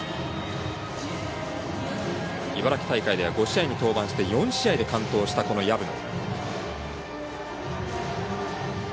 茨城大会では５試合に登板して４試合で完投したという薮野。